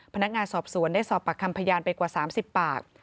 พนักงานสอบสวนได้สอบปากคำพยานไปกว่า๓๐ปาก